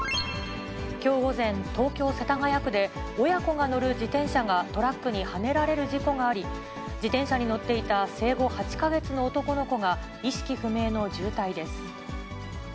きょう午前、東京・世田谷区で親子が乗る自転車がトラックにはねられる事故があり、自転車に乗っていた生後８か月の男の子が意識不明の重体です。